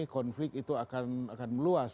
konflik itu akan meluas